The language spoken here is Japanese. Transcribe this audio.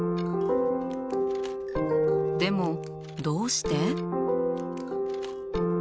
でもどうして？